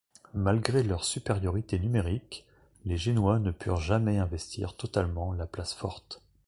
Malgré leur supériorité numérique, les Génois ne purent jamais investir totalement la place forte.